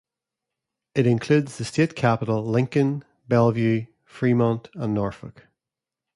It includes the state capital Lincoln, Bellevue, Fremont, and Norfolk.